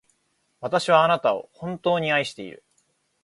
私はあなたを、本当に愛している。